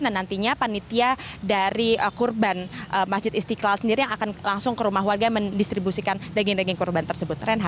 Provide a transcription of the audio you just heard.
dan nantinya panitia dari kurban masjid istiqlal sendiri yang akan langsung ke rumah warga mendistribusikan daging daging kurban tersebut